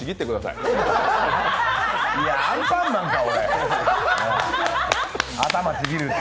いや、アンパンマンか！